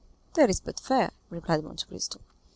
"That is but fair," replied Monte Cristo.